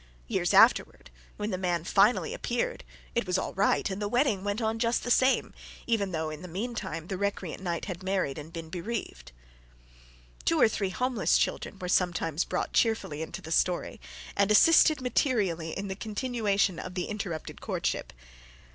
Years afterward, when the man finally appeared, it was all right, and the wedding went on just the same, even though in the meantime the recreant knight had married and been bereaved. Two or three homeless children were sometimes brought cheerfully into the story, and assisted materially in the continuation of the interrupted courtship.